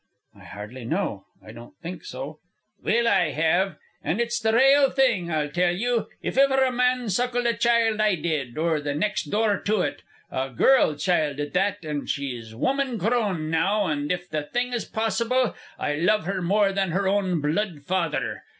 "I hardly know. I don't think so." "Well, I have. An' it's the rale thing, I'll tell ye. If iver a man suckled a child, I did, or the next door to it. A girl child at that, an' she's woman grown, now, an' if the thing is possible, I love her more than her own blood father.